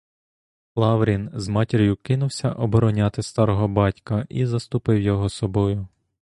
Лаврін з матір'ю кинувся обороняти старого батька і заступив його собою.